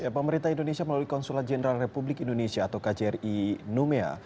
pemerintah indonesia melalui konsulat jenderal republik indonesia atau kjri numea